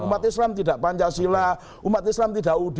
umat islam tidak pancasila umat islam tidak udi empat puluh lima